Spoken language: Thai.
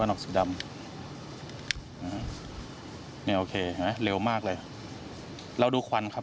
โอเคเร็วมากเลยเราก็ดูควันครับ